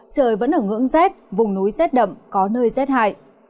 trời vẫn ở ngưỡng rét vùng núi rét đậm có nơi rét hại